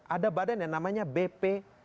ada badan yang namanya bp